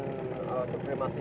terakhir adalah penegakan